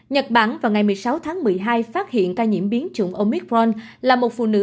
nhật bản vào ngày một mươi sáu tháng một mươi hai phát hiện ca nhiễm biến chủng omitpron là một phụ nữ